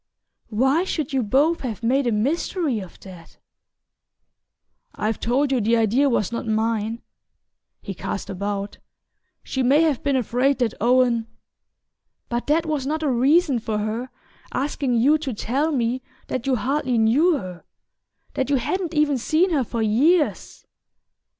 "Why should you both have made a mystery of that?" "I've told you the idea was not mine." He cast about. "She may have been afraid that Owen " "But that was not a reason for her asking you to tell me that you hardly knew her that you hadn't even seen her for years."